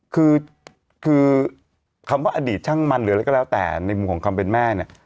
คือคือคำว่าอดีตช่างมันหรืออะไรก็แล้วแต่ในมุมของความเป็นแม่เนี่ย